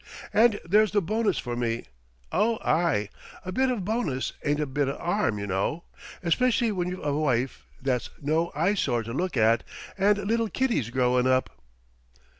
And there's the bonus for me. Oh, aye! A bit of bonus ain't a bit of 'arm, you know, especially when you've a wife that's no eyesore to look at, and little kiddies growin' up.